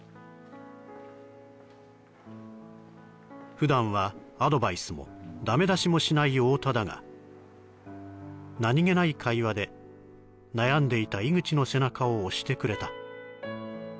普段はアドバイスもダメ出しもしない太田だが何気ない会話で悩んでいた井口の背中を押してくれた